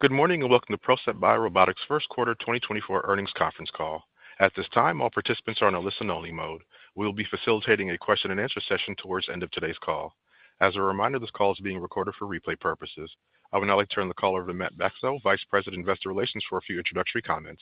Good morning and welcome to PROCEPT BioRobotics' first quarter 2024 earnings conference call. At this time, all participants are on a listen-only mode. We will be facilitating a question-and-answer session towards the end of today's call. As a reminder, this call is being recorded for replay purposes. I would now like to turn the call over to Matt Bacso, Vice President, Investor Relations, for a few introductory comments.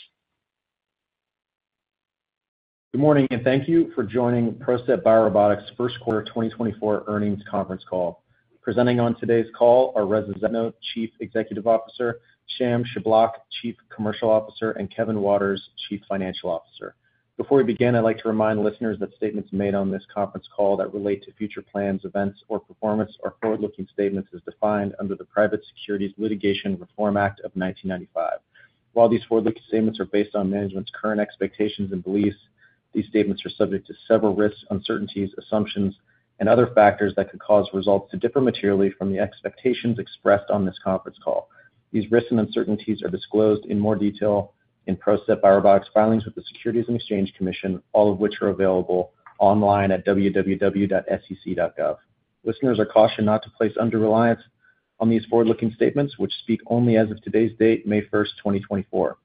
Good morning and thank you for joining PROCEPT BioRobotics' first quarter 2024 earnings conference call. Presenting on today's call are Reza Zadno, Chief Executive Officer; Sham Shiblaq, Chief Commercial Officer; and Kevin Waters, Chief Financial Officer. Before we begin, I'd like to remind listeners that statements made on this conference call that relate to future plans, events, or performance are forward-looking statements as defined under the Private Securities Litigation Reform Act of 1995. While these forward-looking statements are based on management's current expectations and beliefs, these statements are subject to several risks, uncertainties, assumptions, and other factors that could cause results to differ materially from the expectations expressed on this conference call. These risks and uncertainties are disclosed in more detail in PROCEPT BioRobotics' filings with the Securities and Exchange Commission, all of which are available online at www.sec.gov. Listeners are cautioned not to place under-reliance on these forward-looking statements, which speak only as of today's date, May 1st, 2024.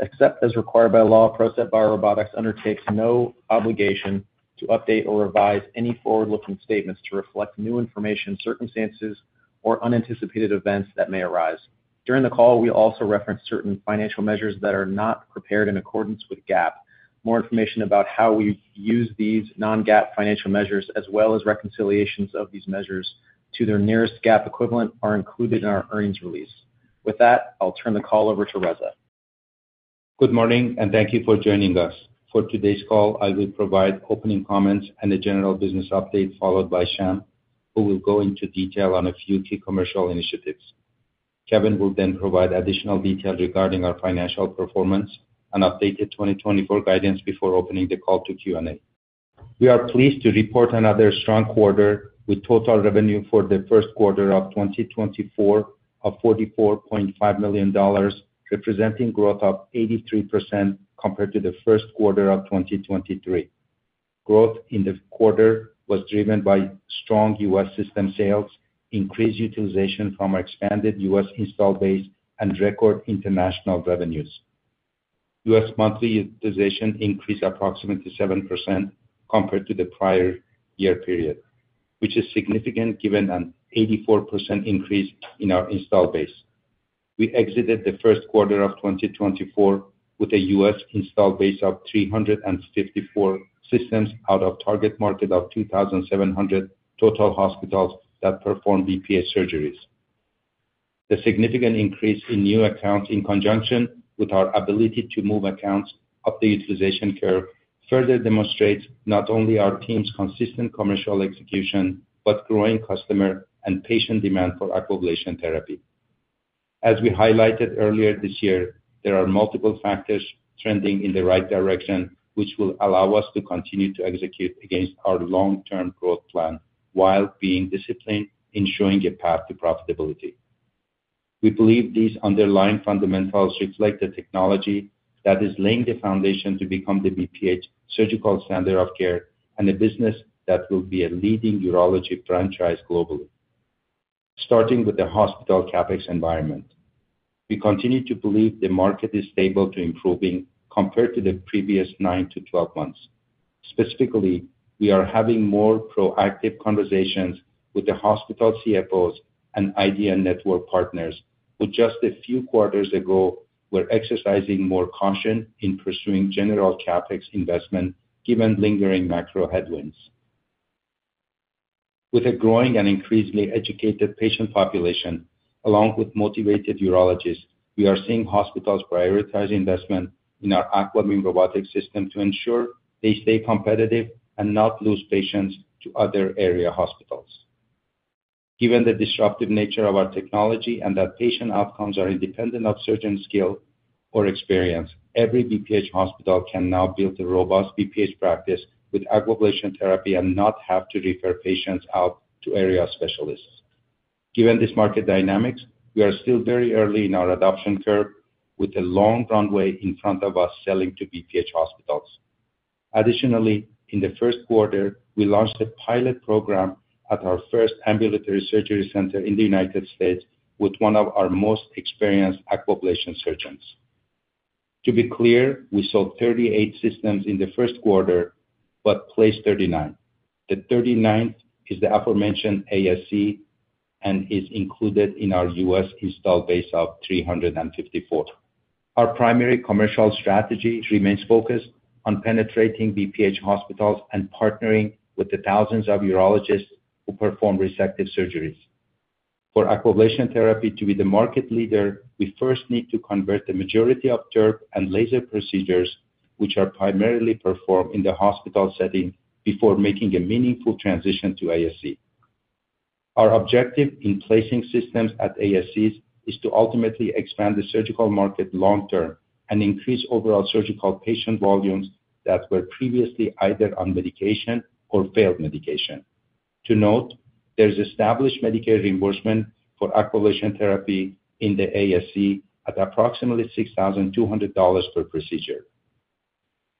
Except as required by law, PROCEPT BioRobotics undertakes no obligation to update or revise any forward-looking statements to reflect new information, circumstances, or unanticipated events that may arise. During the call, we also reference certain financial measures that are not prepared in accordance with GAAP. More information about how we use these non-GAAP financial measures, as well as reconciliations of these measures, to their nearest GAAP equivalent are included in our earnings release. With that, I'll turn the call over to Reza. Good morning and thank you for joining us. For today's call, I will provide opening comments and a general business update, followed by Sham, who will go into detail on a few key commercial initiatives. Kevin will then provide additional detail regarding our financial performance and updated 2024 guidance before opening the call to Q&A. We are pleased to report another strong quarter with total revenue for the first quarter of 2024 of $44.5 million, representing growth of 83% compared to the first quarter of 2023. Growth in the quarter was driven by strong U.S. system sales, increased utilization from our expanded U.S. install base, and record international revenues. U.S. monthly utilization increased approximately 7% compared to the prior year period, which is significant given an 84% increase in our install base. We exited the first quarter of 2024 with a U.S. installed base of 354 systems out of target market of 2,700 total hospitals that perform BPH surgeries. The significant increase in new accounts, in conjunction with our ability to move accounts up the utilization curve, further demonstrates not only our team's consistent commercial execution but growing customer and patient demand for Aquablation therapy. As we highlighted earlier this year, there are multiple factors trending in the right direction, which will allow us to continue to execute against our long-term growth plan while being disciplined, ensuring a path to profitability. We believe these underlying fundamentals reflect the technology that is laying the foundation to become the BPH surgical standard of care and a business that will be a leading urology franchise globally. Starting with the hospital CapEx environment, we continue to believe the market is stable to improving compared to the previous 9-12 months. Specifically, we are having more proactive conversations with the hospital CFOs and IDN Network partners, who just a few quarters ago were exercising more caution in pursuing general CapEx investment given lingering macro headwinds. With a growing and increasingly educated patient population, along with motivated urologists, we are seeing hospitals prioritize investment in our AquaBeam Robotic System to ensure they stay competitive and not lose patients to other area hospitals. Given the disruptive nature of our technology and that patient outcomes are independent of surgeon skill or experience, every BPH hospital can now build a robust BPH practice with Aquablation therapy and not have to refer patients out to area specialists. Given this market dynamics, we are still very early in our adoption curve, with a long runway in front of us selling to BPH hospitals. Additionally, in the first quarter, we launched a pilot program at our first ambulatory surgery center in the United States with one of our most experienced Aquablation surgeons. To be clear, we sold 38 systems in the first quarter but placed 39. The 39th is the aforementioned ASC and is included in our U.S. install base of 354. Our primary commercial strategy remains focused on penetrating BPH hospitals and partnering with the thousands of urologists who perform resective surgeries. For Aquablation therapy to be the market leader, we first need to convert the majority of TURP and laser procedures, which are primarily performed in the hospital setting, before making a meaningful transition to ASC. Our objective in placing systems at ASCs is to ultimately expand the surgical market long-term and increase overall surgical patient volumes that were previously either on medication or failed medication. To note, there is established Medicare reimbursement for Aquablation therapy in the ASC at approximately $6,200 per procedure.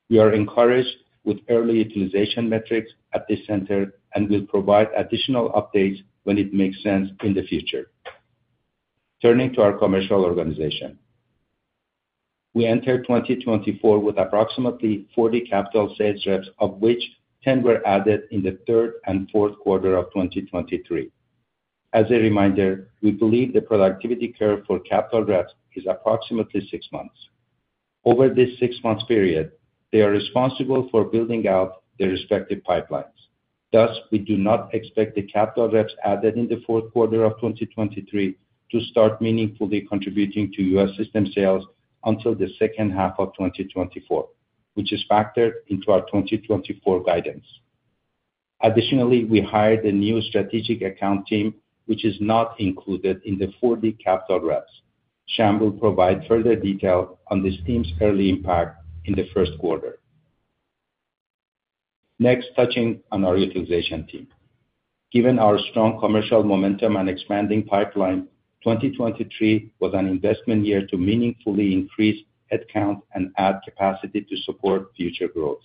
We are encouraged with early utilization metrics at this center and will provide additional updates when it makes sense in the future. Turning to our commercial organization, we entered 2024 with approximately 40 capital sales reps, of which 10 were added in the third and fourth quarter of 2023. As a reminder, we believe the productivity curve for capital reps is approximately six months. Over this six-month period, they are responsible for building out their respective pipelines. Thus, we do not expect the capital reps added in the fourth quarter of 2023 to start meaningfully contributing to U.S. system sales until the second half of 2024, which is factored into our 2024 guidance. Additionally, we hired a new strategic account team, which is not included in the 40 capital reps. Sham will provide further detail on this team's early impact in the first quarter. Next, touching on our utilization team, given our strong commercial momentum and expanding pipeline, 2023 was an investment year to meaningfully increase headcount and add capacity to support future growth.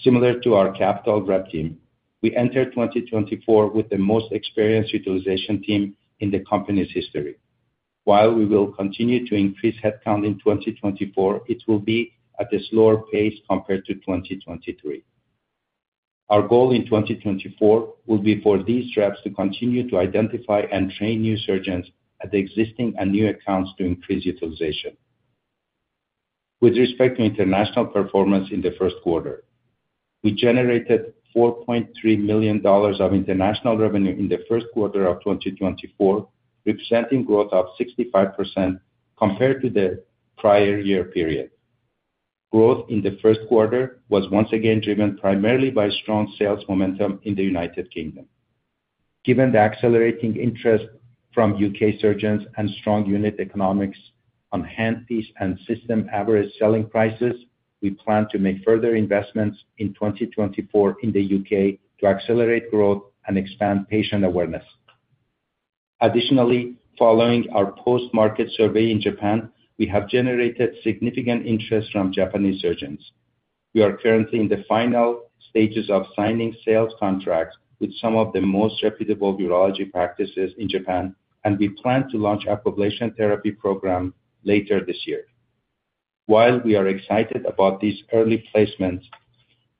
Similar to our capital rep team, we entered 2024 with the most experienced utilization team in the company's history. While we will continue to increase headcount in 2024, it will be at a slower pace compared to 2023. Our goal in 2024 will be for these reps to continue to identify and train new surgeons at the existing and new accounts to increase utilization. With respect to international performance in the first quarter, we generated $4.3 million of international revenue in the first quarter of 2024, representing growth of 65% compared to the prior year period. Growth in the first quarter was once again driven primarily by strong sales momentum in the United Kingdom. Given the accelerating interest from U.K. surgeons and strong unit economics on handpiece and system average selling prices, we plan to make further investments in 2024 in the U.K. to accelerate growth and expand patient awareness. Additionally, following our post-market survey in Japan, we have generated significant interest from Japanese surgeons. We are currently in the final stages of signing sales contracts with some of the most reputable urology practices in Japan, and we plan to launch an Aquablation therapy program later this year. While we are excited about these early placements,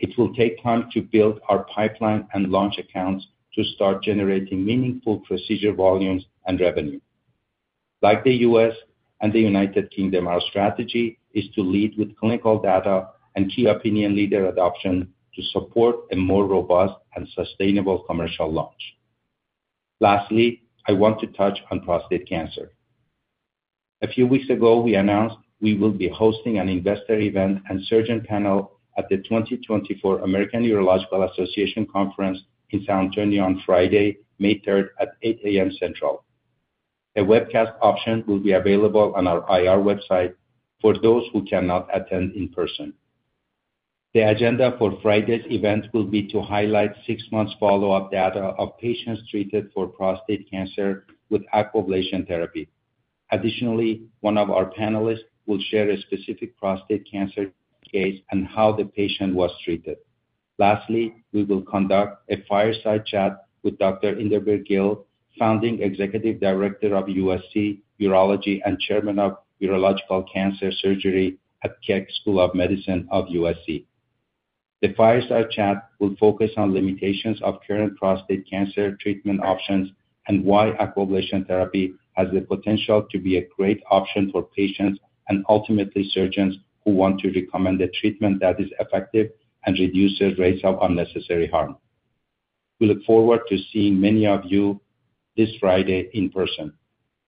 it will take time to build our pipeline and launch accounts to start generating meaningful procedure volumes and revenue. Like the U.S. and the United Kingdom, our strategy is to lead with clinical data and key opinion leader adoption to support a more robust and sustainable commercial launch. Lastly, I want to touch on prostate cancer. A few weeks ago, we announced we will be hosting an investor event and surgeon panel at the 2024 American Urological Association Conference in San Antonio on Friday, May 3rd, at 8:00 A.M. Central. A webcast option will be available on our IR website for those who cannot attend in person. The agenda for Friday's event will be to highlight six months' follow-up data of patients treated for prostate cancer with Aquablation therapy. Additionally, one of our panelists will share a specific prostate cancer case and how the patient was treated. Lastly, we will conduct a fireside chat with Dr. Inderbir Gill, founding executive director of USC Urology and chairman of Urological Cancer Surgery at Keck School of Medicine of USC. The fireside chat will focus on limitations of current prostate cancer treatment options and why Aquablation therapy has the potential to be a great option for patients and ultimately surgeons who want to recommend a treatment that is effective and reduces rates of unnecessary harm. We look forward to seeing many of you this Friday in person.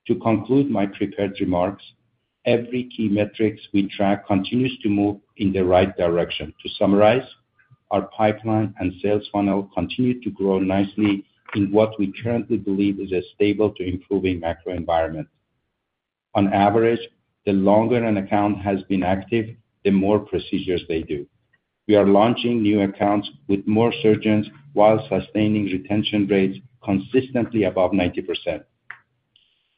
To conclude my prepared remarks, every key metrics we track continues to move in the right direction. To summarize, our pipeline and sales funnel continue to grow nicely in what we currently believe is a stable-to-improving macro environment. On average, the longer an account has been active, the more procedures they do. We are launching new accounts with more surgeons while sustaining retention rates consistently above 90%.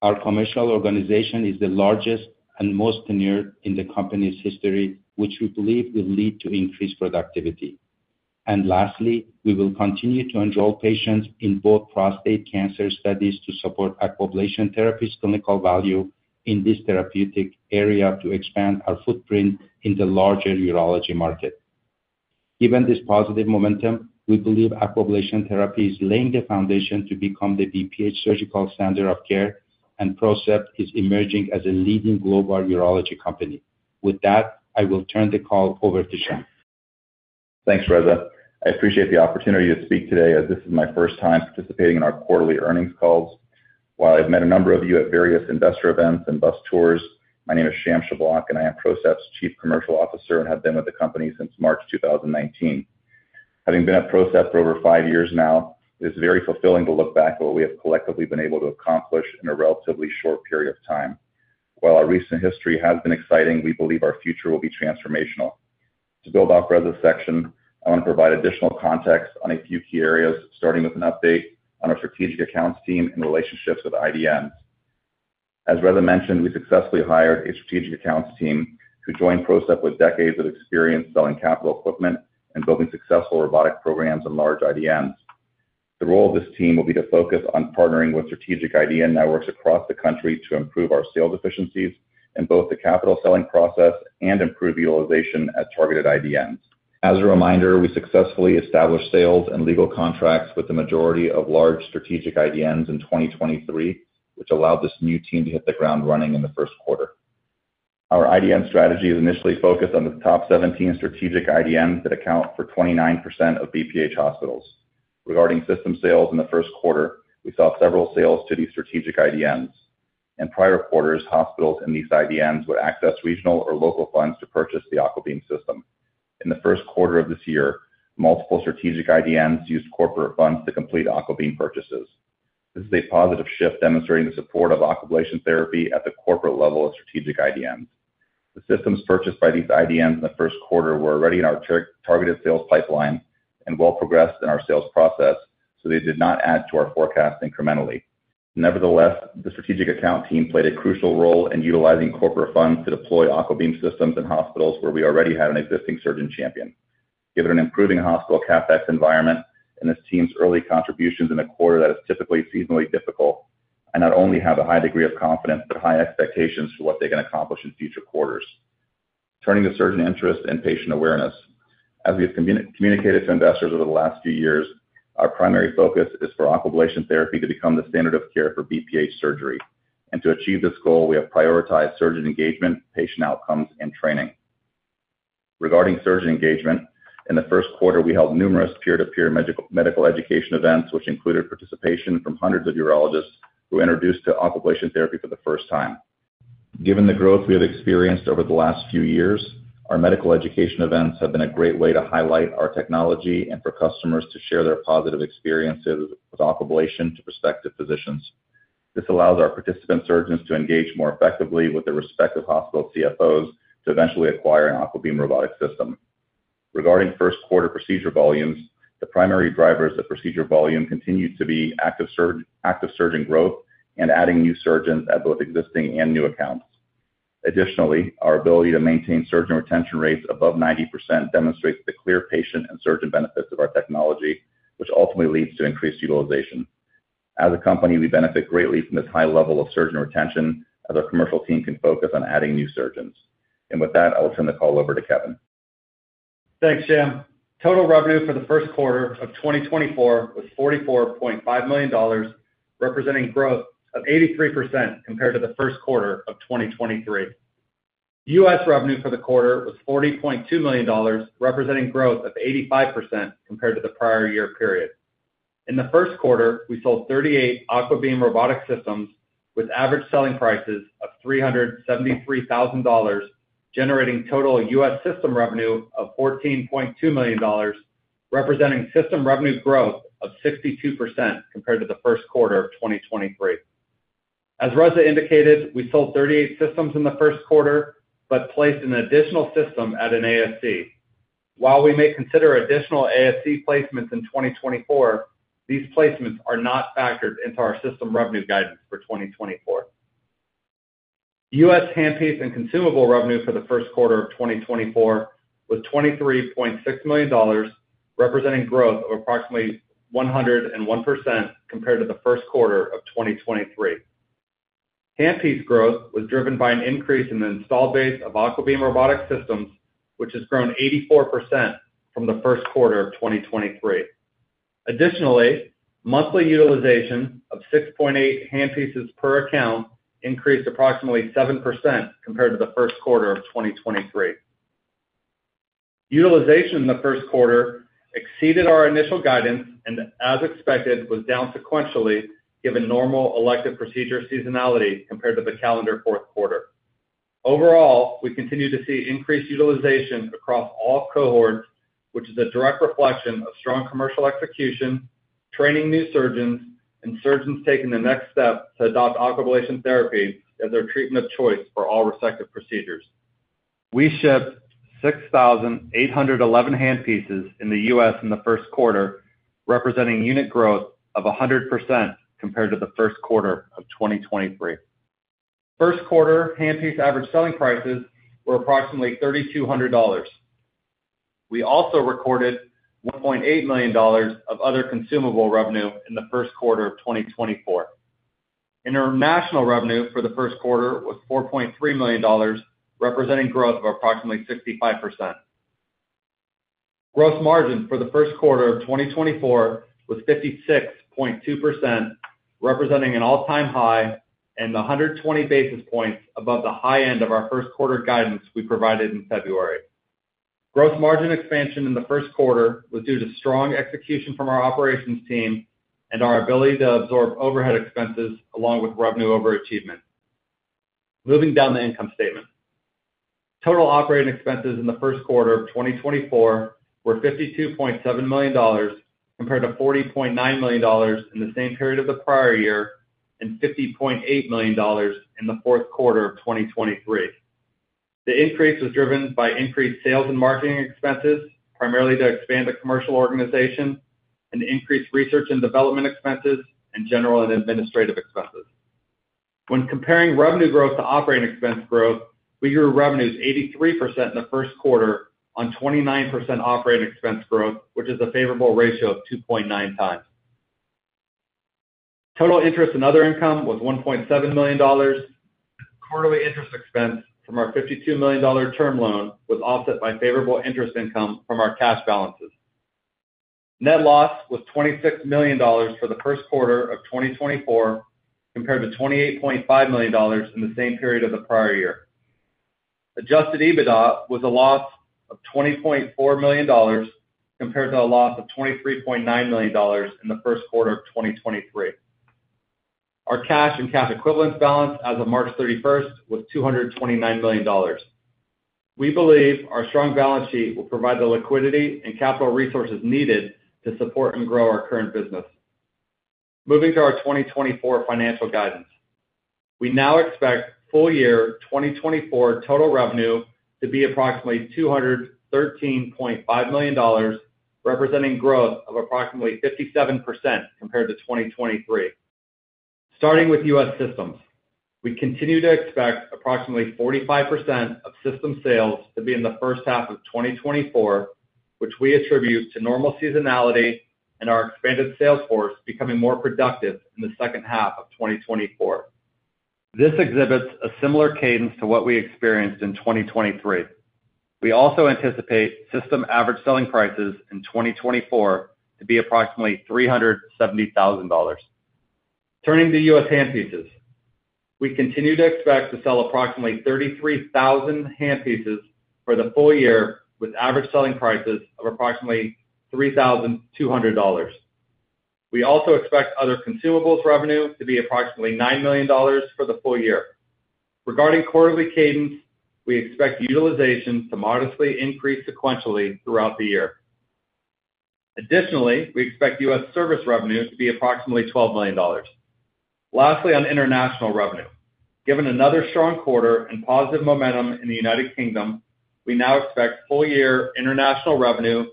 Our commercial organization is the largest and most tenured in the company's history, which we believe will lead to increased productivity. And lastly, we will continue to enroll patients in both prostate cancer studies to support Aquablation therapy's clinical value in this therapeutic area to expand our footprint in the larger urology market. Given this positive momentum, we believe Aquablation therapy is laying the foundation to become the BPH surgical standard of care, and PROCEPT is emerging as a leading global urology company. With that, I will turn the call over to Sham. Thanks, Reza. I appreciate the opportunity to speak today, as this is my first time participating in our quarterly earnings calls. While I've met a number of you at various investor events and bus tours, my name is Sham Shiblaq, and I am PROCEPT's Chief Commercial Officer and have been with the company since March 2019. Having been at PROCEPT for over five years now, it is very fulfilling to look back at what we have collectively been able to accomplish in a relatively short period of time. While our recent history has been exciting, we believe our future will be transformational. To build off Reza's section, I want to provide additional context on a few key areas, starting with an update on our strategic accounts team and relationships with IDN. As Reza mentioned, we successfully hired a strategic accounts team who joined PROCEPT with decades of experience selling capital equipment and building successful robotic programs and large IDN. The role of this team will be to focus on partnering with strategic IDN networks across the country to improve our sales efficiencies in both the capital selling process and improve utilization at targeted IDN. As a reminder, we successfully established sales and legal contracts with the majority of large strategic IDNs in 2023, which allowed this new team to hit the ground running in the first quarter. Our IDN strategy is initially focused on the top 17 strategic IDN that account for 29% of BPH hospitals. Regarding system sales in the first quarter, we saw several sales to these strategic IDNs. In prior quarters, hospitals in these IDNs would access regional or local funds to purchase the AquaBeam system. In the first quarter of this year, multiple strategic IDNs used corporate funds to complete AquaBeam purchases. This is a positive shift demonstrating the support of Aquablation therapy at the corporate level of strategic IDN. The systems purchased by these IDN in the first quarter were already in our targeted sales pipeline and well progressed in our sales process, so they did not add to our forecast incrementally. Nevertheless, the strategic account team played a crucial role in utilizing corporate funds to deploy AquaBeam systems in hospitals where we already had an existing surgeon champion. Given an improving hospital CapEx environment and this team's early contributions in a quarter that is typically seasonally difficult, I not only have a high degree of confidence but high expectations for what they can accomplish in future quarters. Turning to surgeon interest and patient awareness, as we have communicated to investors over the last few years, our primary focus is for Aquablation therapy to become the standard of care for BPH surgery. To achieve this goal, we have prioritized surgeon engagement, patient outcomes, and training. Regarding surgeon engagement, in the first quarter, we held numerous peer-to-peer medical education events, which included participation from hundreds of urologists who were introduced to Aquablation therapy for the first time. Given the growth we have experienced over the last few years, our medical education events have been a great way to highlight our technology and for customers to share their positive experiences with Aquablation to prospective physicians. This allows our participant surgeons to engage more effectively with their respective hospital CFOs to eventually acquire an AquaBeam Robotic System. Regarding first-quarter procedure volumes, the primary drivers of procedure volume continue to be active surgeon growth and adding new surgeons at both existing and new accounts. Additionally, our ability to maintain surgeon retention rates above 90% demonstrates the clear patient and surgeon benefits of our technology, which ultimately leads to increased utilization. As a company, we benefit greatly from this high level of surgeon retention, as our commercial team can focus on adding new surgeons. With that, I will turn the call over to Kevin. Thanks, Sham. Total revenue for the first quarter of 2024 was $44.5 million, representing growth of 83% compared to the first quarter of 2023. U.S. revenue for the quarter was $40.2 million, representing growth of 85% compared to the prior year period. In the first quarter, we sold 38 AquaBeam robotic systems with average selling prices of $373,000, generating total U.S. system revenue of $14.2 million, representing system revenue growth of 62% compared to the first quarter of 2023. As Reza indicated, we sold 38 systems in the first quarter but placed an additional system at an ASC. While we may consider additional ASC placements in 2024, these placements are not factored into our system revenue guidance for 2024. U.S. handpiece and consumable revenue for the first quarter of 2024 was $23.6 million, representing growth of approximately 101% compared to the first quarter of 2023. Handpiece growth was driven by an increase in the install base of AquaBeam Robotic Systems, which has grown 84% from the first quarter of 2023. Additionally, monthly utilization of 6.8 handpieces per account increased approximately 7% compared to the first quarter of 2023. Utilization in the first quarter exceeded our initial guidance and, as expected, was down sequentially given normal elective procedure seasonality compared to the calendar fourth quarter. Overall, we continue to see increased utilization across all cohorts, which is a direct reflection of strong commercial execution, training new surgeons, and surgeons taking the next step to adopt Aquablation therapy as their treatment of choice for all respective procedures. We shipped 6,811 handpieces in the U.S. in the first quarter, representing unit growth of 100% compared to the first quarter of 2023. First quarter handpiece average selling prices were approximately $3,200. We also recorded $1.8 million of other consumable revenue in the first quarter of 2024. International revenue for the first quarter was $4.3 million, representing growth of approximately 65%. Gross margin for the first quarter of 2024 was 56.2%, representing an all-time high and 120 basis points above the high end of our first quarter guidance we provided in February. Gross margin expansion in the first quarter was due to strong execution from our operations team and our ability to absorb overhead expenses along with revenue overachievement. Moving down the income statement, total operating expenses in the first quarter of 2024 were $52.7 million compared to $40.9 million in the same period of the prior year and $50.8 million in the fourth quarter of 2023. The increase was driven by increased sales and marketing expenses, primarily to expand the commercial organization, and increased research and development expenses and general and administrative expenses. When comparing revenue growth to operating expense growth, we grew revenues 83% in the first quarter on 29% operating expense growth, which is a favorable ratio of 2.9 times. Total interest and other income was $1.7 million. Quarterly interest expense from our $52 million term loan was offset by favorable interest income from our cash balances. Net loss was $26 million for the first quarter of 2024 compared to $28.5 million in the same period of the prior year. Adjusted EBITDA was a loss of $20.4 million compared to a loss of $23.9 million in the first quarter of 2023. Our cash and cash equivalents balance as of March 31st was $229 million. We believe our strong balance sheet will provide the liquidity and capital resources needed to support and grow our current business. Moving to our 2024 financial guidance, we now expect full-year 2024 total revenue to be approximately $213.5 million, representing growth of approximately 57% compared to 2023. Starting with U.S. systems, we continue to expect approximately 45% of system sales to be in the first half of 2024, which we attribute to normal seasonality and our expanded sales force becoming more productive in the second half of 2024. This exhibits a similar cadence to what we experienced in 2023. We also anticipate system average selling prices in 2024 to be approximately $370,000. Turning to U.S. handpieces, we continue to expect to sell approximately 33,000 handpieces for the full year with average selling prices of approximately $3,200. We also expect other consumables revenue to be approximately $9 million for the full year. Regarding quarterly cadence, we expect utilization to modestly increase sequentially throughout the year. Additionally, we expect U.S. service revenue to be approximately $12 million. Lastly, on international revenue, given another strong quarter and positive momentum in the United Kingdom, we now expect full-year international revenue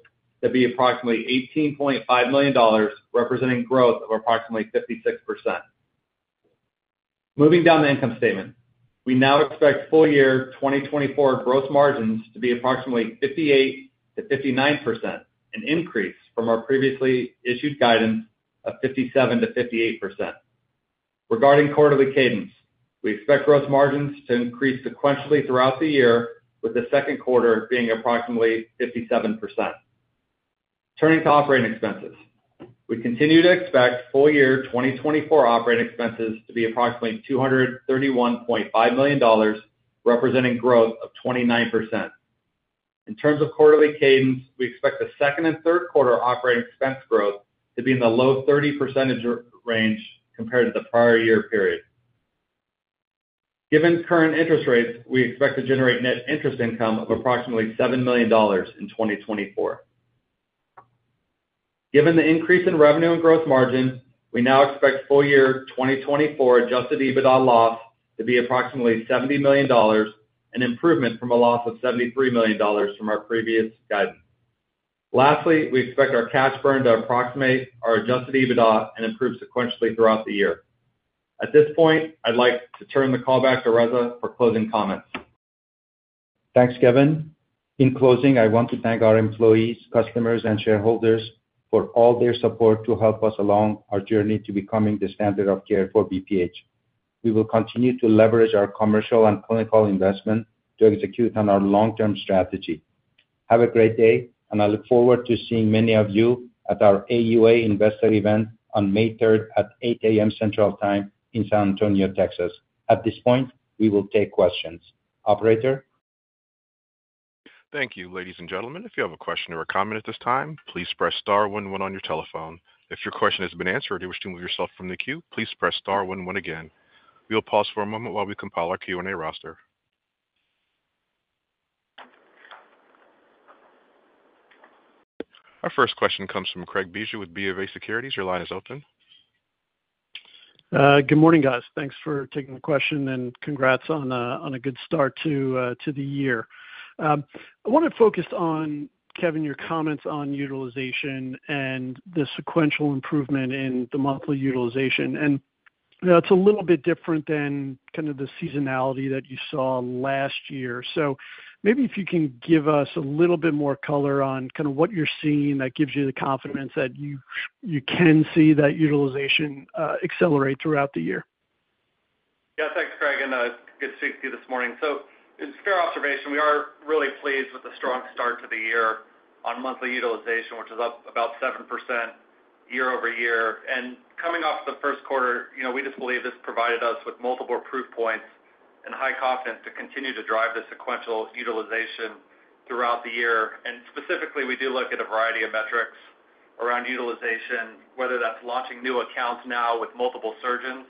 to be approximately $18.5 million, representing growth of approximately 56%. Moving down the income statement, we now expect full-year 2024 gross margins to be approximately 58%-59%, an increase from our previously issued guidance of 57%-58%. Regarding quarterly cadence, we expect gross margins to increase sequentially throughout the year, with the second quarter being approximately 57%. Turning to operating expenses, we continue to expect full-year 2024 operating expenses to be approximately $231.5 million, representing growth of 29%. In terms of quarterly cadence, we expect the second and third quarter operating expense growth to be in the low 30% range compared to the prior year period. Given current interest rates, we expect to generate net interest income of approximately $7 million in 2024. Given the increase in revenue and gross margin, we now expect full-year 2024 adjusted EBITDA loss to be approximately $70 million, an improvement from a loss of $73 million from our previous guidance. Lastly, we expect our cash burn to approximate our adjusted EBITDA and improve sequentially throughout the year. At this point, I'd like to turn the call back to Reza for closing comments. Thanks, Kevin. In closing, I want to thank our employees, customers, and shareholders for all their support to help us along our journey to becoming the standard of care for BPH. We will continue to leverage our commercial and clinical investment to execute on our long-term strategy. Have a great day, and I look forward to seeing many of you at our AUA investor event on May 3rd at 8:00 A.M. Central Time in San Antonio, Texas. At this point, we will take questions. Operator. Thank you. Ladies and gentlemen, if you have a question or a comment at this time, please press star one one on your telephone. If your question has been answered or you wish to move yourself from the queue, please press star one one again. We will pause for a moment while we compile our Q&A roster. Our first question comes from Craig Bijou with BofA Securities. Your line is open. Good morning, guys. Thanks for taking the question, and congrats on a good start to the year. I want to focus on, Kevin, your comments on utilization and the sequential improvement in the monthly utilization. It's a little bit different than kind of the seasonality that you saw last year. Maybe if you can give us a little bit more color on kind of what you're seeing that gives you the confidence that you can see that utilization accelerate throughout the year. Yeah, thanks, Craig. And good to speak to you this morning. So it's a fair observation. We are really pleased with the strong start to the year on monthly utilization, which is up about 7% year-over-year. And coming off the first quarter, we just believe this provided us with multiple proof points and high confidence to continue to drive the sequential utilization throughout the year. And specifically, we do look at a variety of metrics around utilization, whether that's launching new accounts now with multiple surgeons,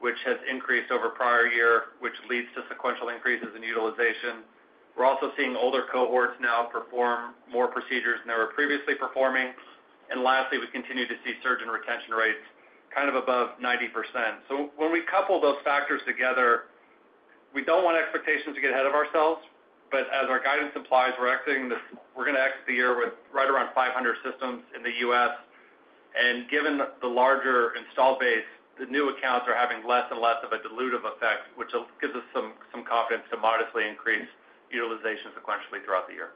which has increased over prior year, which leads to sequential increases in utilization. We're also seeing older cohorts now perform more procedures than they were previously performing. And lastly, we continue to see surgeon retention rates kind of above 90%. So when we couple those factors together, we don't want expectations to get ahead of ourselves. But as our guidance implies, we're going to exit the year with right around 500 systems in the U.S. And given the larger install base, the new accounts are having less and less of a dilutive effect, which gives us some confidence to modestly increase utilization sequentially throughout the year.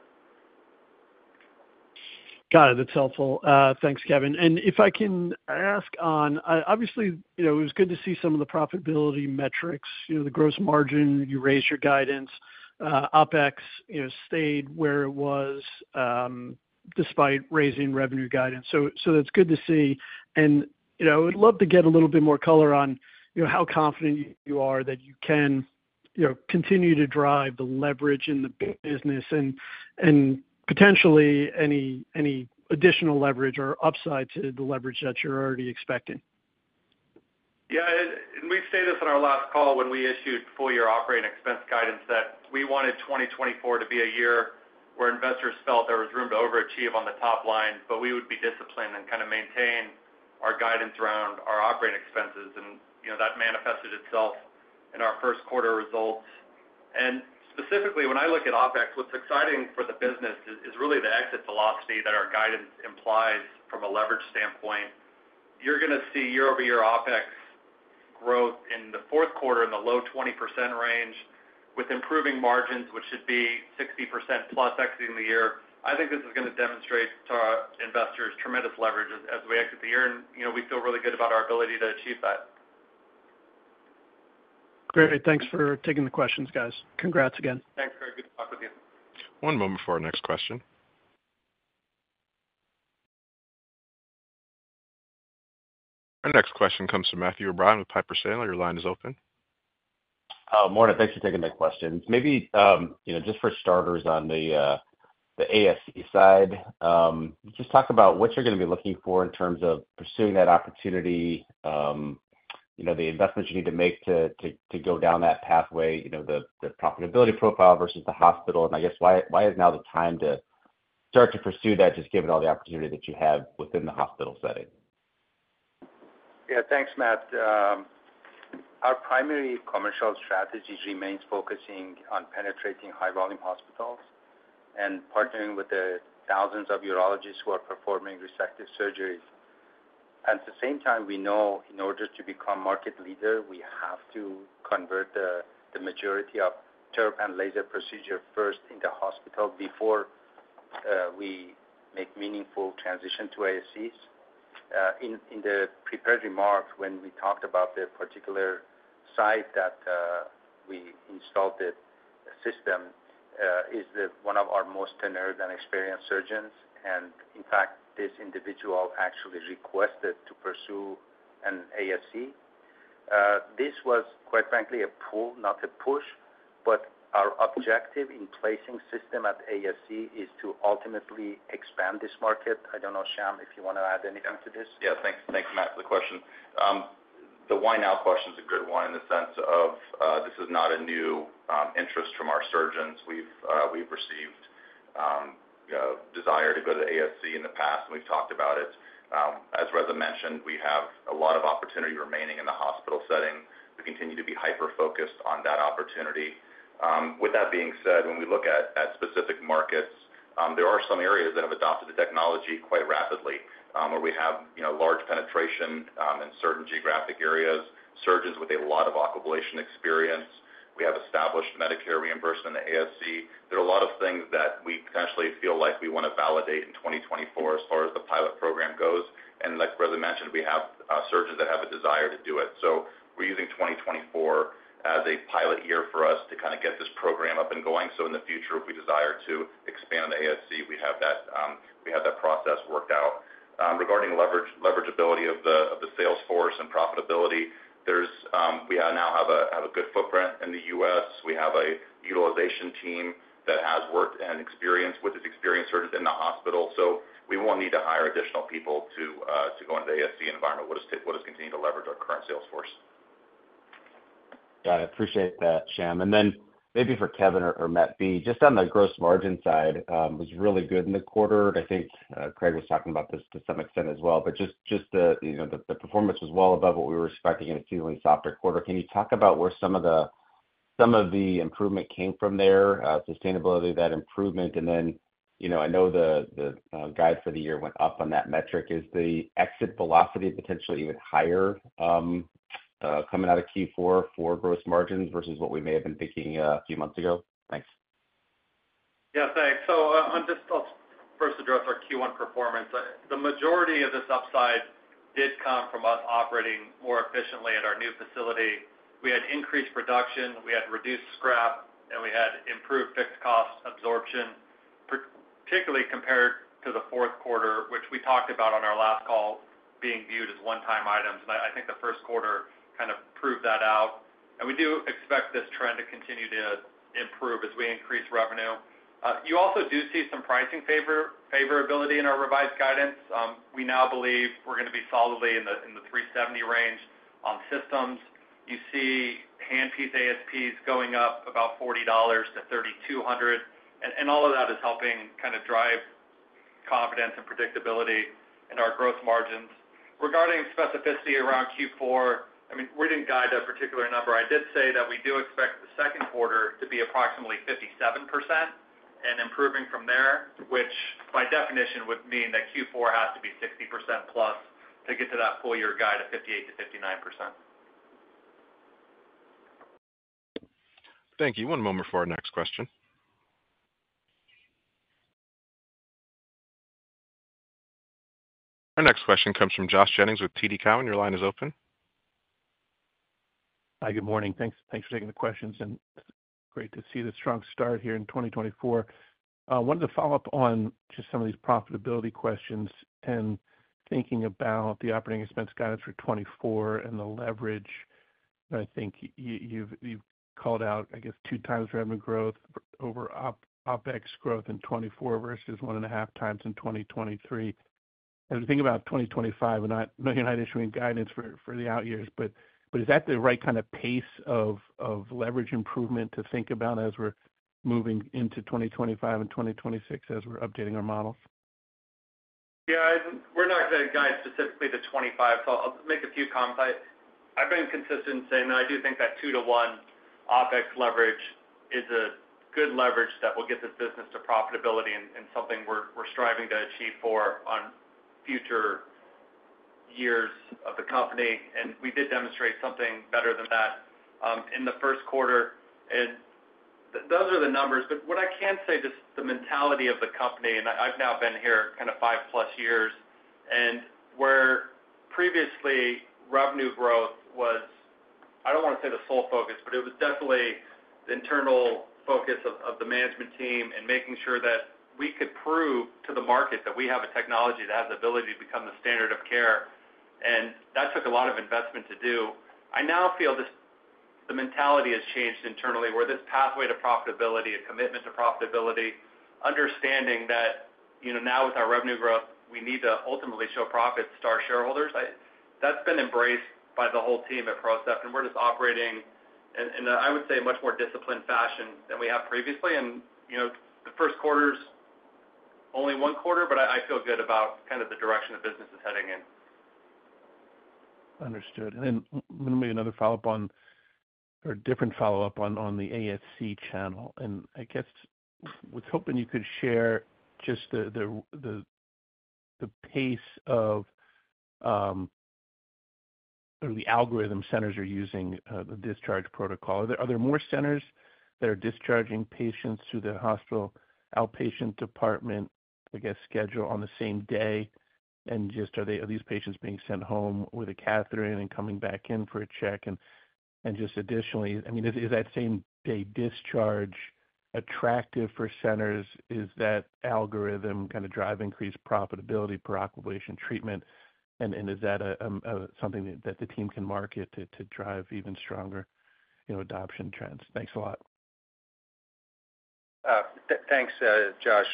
Got it. That's helpful. Thanks, Kevin. And if I can ask, obviously, it was good to see some of the profitability metrics. The gross margin, you raised your guidance. OpEx stayed where it was despite raising revenue guidance. So that's good to see. And I would love to get a little bit more color on how confident you are that you can continue to drive the leverage in the business and potentially any additional leverage or upside to the leverage that you're already expecting? Yeah. We stated this on our last call when we issued full-year operating expense guidance, that we wanted 2024 to be a year where investors felt there was room to overachieve on the top line, but we would be disciplined and kind of maintain our guidance around our operating expenses. That manifested itself in our first quarter results. Specifically, when I look at OpEx, what's exciting for the business is really the exit velocity that our guidance implies from a leverage standpoint. You're going to see year-over-year OpEx growth in the fourth quarter in the low 20% range with improving margins, which should be 60% plus exiting the year. I think this is going to demonstrate to our investors tremendous leverage as we exit the year. We feel really good about our ability to achieve that. Great. Thanks for taking the questions, guys. Congrats again. Thanks, Craig. Good to talk with you. One moment for our next question. Our next question comes from Matthew O'Brien with Piper Sandler. Your line is open. Morning. Thanks for taking the question. Maybe just for starters on the ASC side, just talk about what you're going to be looking for in terms of pursuing that opportunity, the investments you need to make to go down that pathway, the profitability profile versus the hospital. I guess why is now the time to start to pursue that just given all the opportunity that you have within the hospital setting? Yeah. Thanks, Matt. Our primary commercial strategy remains focusing on penetrating high-volume hospitals and partnering with the thousands of urologists who are performing resective surgeries. At the same time, we know in order to become market leader, we have to convert the majority of TURP and laser procedure first in the hospital before we make meaningful transition to ASCs. In the prepared remarks when we talked about the particular site that we installed the system is one of our most tenured and experienced surgeons. And in fact, this individual actually requested to pursue an ASC. This was, quite frankly, a pull, not a push. But our objective in placing system at ASC is to ultimately expand this market. I don't know, Sham, if you want to add anything to this. Yeah. Thanks. Thanks, Matt, for the question. The why now question is a good one in the sense of this is not a new interest from our surgeons. We've received a desire to go to ASC in the past, and we've talked about it. As Reza mentioned, we have a lot of opportunity remaining in the hospital setting. We continue to be hyper-focused on that opportunity. With that being said, when we look at specific markets, there are some areas that have adopted the technology quite rapidly where we have large penetration in certain geographic areas, surgeons with a lot of Aquablation experience. We have established Medicare reimbursement in the ASC. There are a lot of things that we potentially feel like we want to validate in 2024 as far as the pilot program goes. And like Reza mentioned, we have surgeons that have a desire to do it. We're using 2024 as a pilot year for us to kind of get this program up and going. In the future, if we desire to expand on the ASC, we have that process worked out. Regarding leverageability of the sales force and profitability, we now have a good footprint in the U.S. We have a utilization team that has worked and experience with these experienced surgeons in the hospital. We won't need to hire additional people to go into the ASC environment. We'll just continue to leverage our current sales force. Got it. Appreciate that, Sham. And then maybe for Kevin or Matt B., just on the gross margin side, it was really good in the quarter. I think Craig was talking about this to some extent as well. But just the performance was well above what we were expecting in a seasonally softer quarter. Can you talk about where some of the improvement came from there, sustainability, that improvement? And then I know the guide for the year went up on that metric. Is the exit velocity potentially even higher coming out of Q4 for gross margins versus what we may have been thinking a few months ago? Thanks. Yeah. Thanks. So I'll just first address our Q1 performance. The majority of this upside did come from us operating more efficiently at our new facility. We had increased production. We had reduced scrap. And we had improved fixed cost absorption, particularly compared to the fourth quarter, which we talked about on our last call being viewed as one-time items. And I think the first quarter kind of proved that out. And we do expect this trend to continue to improve as we increase revenue. You also do see some pricing favorability in our revised guidance. We now believe we're going to be solidly in the 370 range on systems. You see handpiece ASPs going up about $40 to $3,200. And all of that is helping kind of drive confidence and predictability in our gross margins. Regarding specificity around Q4, I mean, we didn't guide a particular number. I did say that we do expect the second quarter to be approximately 57% and improving from there, which by definition would mean that Q4 has to be 60% plus to get to that full-year guide of 58%-59%. Thank you. One moment for our next question. Our next question comes from Josh Jennings with TD Cowen. Your line is open. Hi. Good morning. Thanks for taking the questions. It's great to see the strong start here in 2024. I wanted to follow up on just some of these profitability questions and thinking about the operating expense guidance for 2024 and the leverage. I think you've called out, I guess, two times revenue growth over OpEx growth in 2024 versus one and a half times in 2023. As we think about 2025, I know you're not issuing guidance for the out years, but is that the right kind of pace of leverage improvement to think about as we're moving into 2025 and 2026 as we're updating our models? Yeah. We're not going to guide specifically to 2025. So I'll make a few comments. I've been consistent in saying that I do think that 2-to-1 OpEx leverage is a good leverage that will get this business to profitability and something we're striving to achieve for on future years of the company. And we did demonstrate something better than that in the first quarter. And those are the numbers. But what I can say, just the mentality of the company and I've now been here kind of 5+ years. And where previously, revenue growth was I don't want to say the sole focus, but it was definitely the internal focus of the management team and making sure that we could prove to the market that we have a technology that has the ability to become the standard of care. And that took a lot of investment to do. I now feel the mentality has changed internally where this pathway to profitability, a commitment to profitability, understanding that now with our revenue growth, we need to ultimately show profits to our shareholders, that's been embraced by the whole team at PROCEPT. We're just operating in, I would say, a much more disciplined fashion than we have previously. The first quarter's only one quarter, but I feel good about kind of the direction the business is heading in. Understood. Then let me make another follow-up, or a different follow-up, on the ASC channel. I guess I was hoping you could share just the pace at which ambulatory centers are using the discharge protocol. Are there more centers that are discharging patients through the hospital outpatient department, I guess, scheduled on the same day? And just, are these patients being sent home with a catheter in and coming back in for a check? And just additionally, I mean, is that same-day discharge attractive for centers? Is that algorithm kind of drive increased profitability per Aquablation treatment? And is that something that the team can market to drive even stronger adoption trends? Thanks a lot. Thanks, Josh.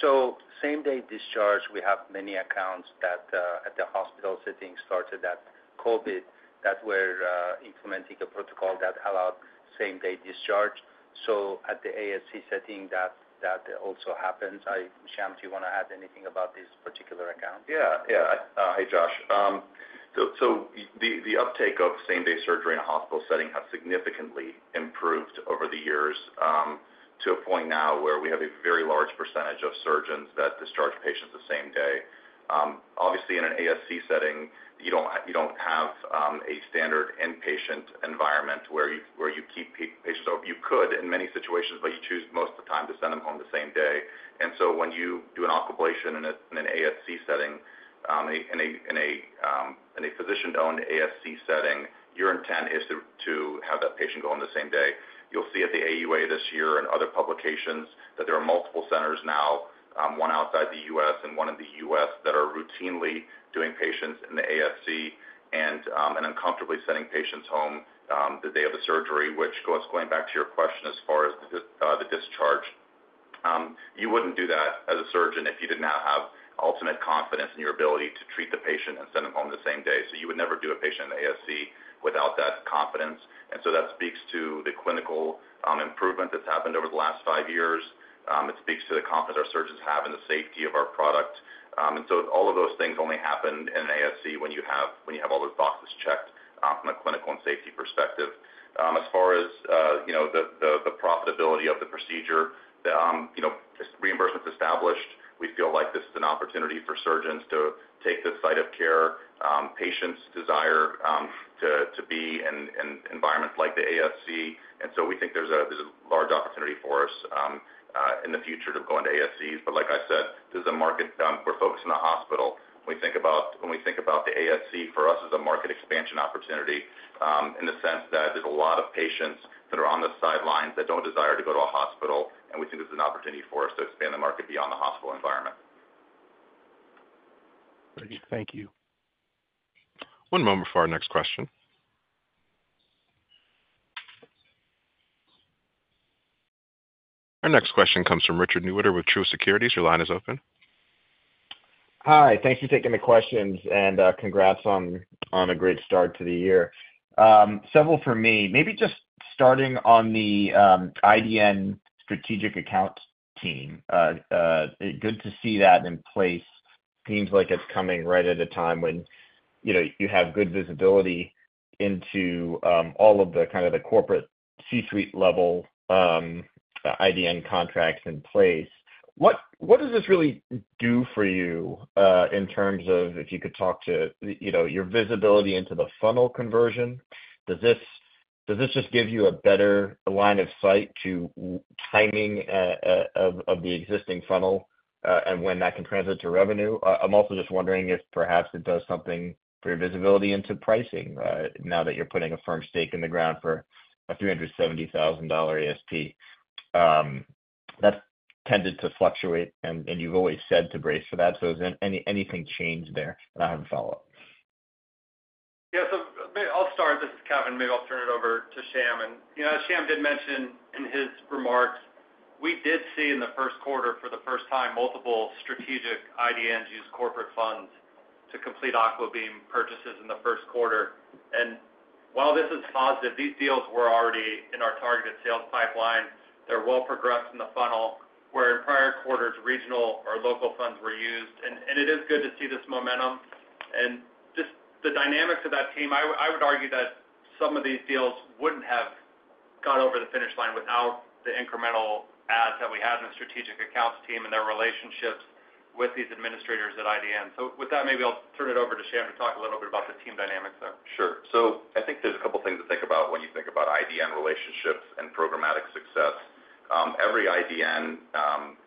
So same-day discharge, we have many accounts that, at the hospital setting, started during COVID that were implementing a protocol that allowed same-day discharge. So at the ASC setting, that also happens. Sham, do you want to add anything about this particular account? Yeah. Yeah. Hey, Josh. So the uptake of same-day surgery in a hospital setting has significantly improved over the years to a point now where we have a very large percentage of surgeons that discharge patients the same day. Obviously, in an ASC setting, you don't have a standard inpatient environment where you keep patients over. You could in many situations, but you choose most of the time to send them home the same day. And so when you do an Aquablation in an ASC setting, in a physician-owned ASC setting, your intent is to have that patient go home the same day. You'll see at the AUA this year and other publications that there are multiple centers now, one outside the U.S. and one in the U.S., that are routinely doing patients in the ASC and comfortably sending patients home the day of the surgery, which goes back to your question as far as the discharge. You wouldn't do that as a surgeon if you did not have ultimate confidence in your ability to treat the patient and send them home the same day. So you would never do a patient in the ASC without that confidence. And so that speaks to the clinical improvement that's happened over the last five years. It speaks to the confidence our surgeons have in the safety of our product. And so all of those things only happen in an ASC when you have all those boxes checked from a clinical and safety perspective. As far as the profitability of the procedure, reimbursement's established. We feel like this is an opportunity for surgeons to take this site of care, patients desire to be in environments like the ASC. And so we think there's a large opportunity for us in the future to go into ASCs. But like I said, this is a market we're focused on the hospital. When we think about the ASC, for us, is a market expansion opportunity in the sense that there's a lot of patients that are on the sidelines that don't desire to go to a hospital. And we think this is an opportunity for us to expand the market beyond the hospital environment. Great. Thank you. One moment for our next question. Our next question comes from Richard Newitter with Truist Securities. Your line is open. Hi. Thanks for taking the questions. Congrats on a great start to the year. Several for me. Maybe just starting on the IDN strategic accounts team. Good to see that in place. Seems like it's coming right at a time when you have good visibility into all of the kind of the corporate C-suite level IDN contracts in place. What does this really do for you in terms of if you could talk to your visibility into the funnel conversion? Does this just give you a better line of sight to timing of the existing funnel and when that can transit to revenue? I'm also just wondering if perhaps it does something for your visibility into pricing now that you're putting a firm stake in the ground for a $370,000 ASP. That's tended to fluctuate. You've always said to brace for that. Has anything changed there? I have a follow-up. Yeah. So I'll start. This is Kevin. Maybe I'll turn it over to Sham. And as Sham did mention in his remarks, we did see in the first quarter for the first time multiple strategic IDNs use corporate funds to complete AquaBeam purchases in the first quarter. And while this is positive, these deals were already in our targeted sales pipeline. They're well progressed in the funnel where in prior quarters, regional or local funds were used. And it is good to see this momentum. And just the dynamics of that team, I would argue that some of these deals wouldn't have gone over the finish line without the incremental adds that we had in the strategic accounts team and their relationships with these administrators at IDN. So with that, maybe I'll turn it over to Sham to talk a little bit about the team dynamics there. Sure. So I think there's a couple of things to think about when you think about IDN relationships and programmatic success. Every IDN